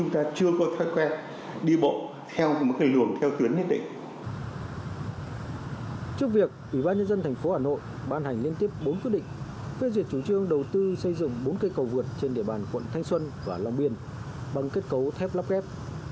trước việc ủy ban nhân dân tp hà nội ban hành liên tiếp bốn quyết định phê duyệt chủ trương đầu tư xây dựng bốn cây cầu vượt trên địa bàn quận thanh xuân và long biên bằng kết cấu thép lắp ghép